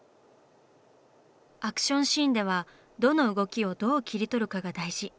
アクションシーンではどの動きをどう切り取るかが大事。